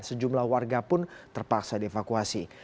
sejumlah warga pun terpaksa dievakuasi